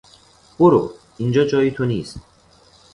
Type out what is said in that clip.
برو، اینجا جای تو نیست!